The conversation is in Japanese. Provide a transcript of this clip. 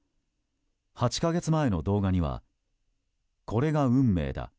８か月前の動画にはこれが運命だ。